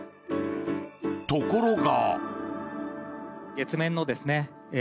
ところが。